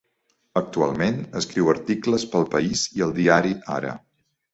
Actualment escriu articles pel País i el Diari Ara.